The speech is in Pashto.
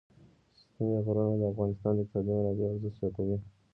ستوني غرونه د افغانستان د اقتصادي منابعو ارزښت زیاتوي.